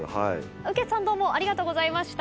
雨穴さんどうもありがとうございました。